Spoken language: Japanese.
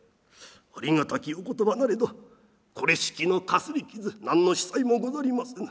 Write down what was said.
「ありがたきお言葉なれどこれしきのかすり傷何の子細もござりませぬ。